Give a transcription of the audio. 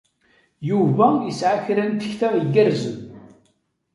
Yuba yesɛa kra n tekta igerrzen.